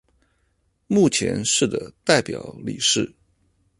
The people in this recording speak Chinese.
目前是的代表理事。